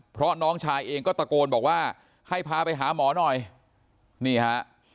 เพราะน้องชายเองก็ตะโกนบอกว่าให้พาไปหาหมอหน่อยนี่ฮะ